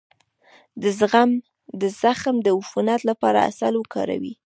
د زخم د عفونت لپاره عسل وکاروئ